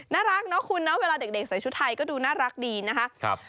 น่ารักเนาะคุณเนาะเวลาเด็กใส่ชุดไทยก็ดูน่ารักดีนะครับ